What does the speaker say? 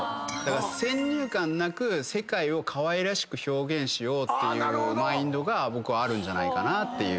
先入観なく世界をかわいらしく表現しようっていうマインドがあるんじゃないかなっていう。